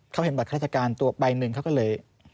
เขาเห็นบัตรราชการตัวใบหนึ่งเขาก็เลย